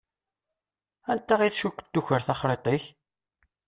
Anta i tcukkeḍ tuker taxṛiṭ-ik?